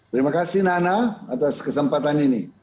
terima kasih nana atas kesempatan ini